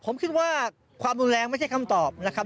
ผมคิดว่าความรุนแรงไม่ใช่คำตอบนะครับ